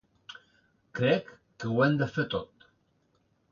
Crec que ho hem de fer tot.